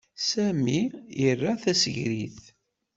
Sami ira tasegrit.